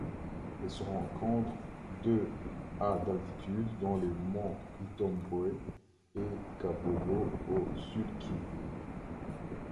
Elle se rencontre de à d'altitude dans les monts Itombwe et Kabobo au Sud-Kivu.